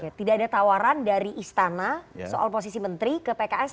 oke tidak ada tawaran dari istana soal posisi menteri ke pks